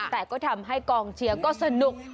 แต่ก็ทำให้กองเชียร์ก็สนุก